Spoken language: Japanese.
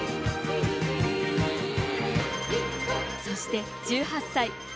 そして１８歳。